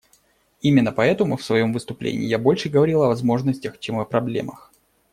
Именно поэтому в своем выступлении я больше говорил о возможностях, чем о проблемах.